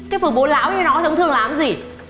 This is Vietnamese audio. cái phụ bố lão như nó thì ông thương làm gì